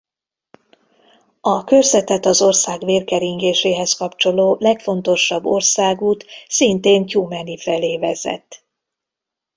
A körzetet az ország vérkeringéséhez kapcsoló legfontosabb országút szintén Tyumeny felé vezet.